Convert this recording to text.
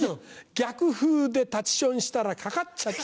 逆風で立ちションしたらかかっちゃって。